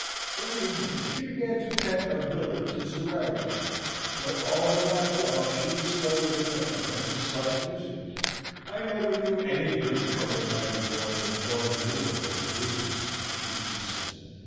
That evening she began to pen a billet to Mr. Warrington: but all her life long she was slow with her pen, and disliked using it. "I never knew any good come of writing more than bon jour or business," she used to say.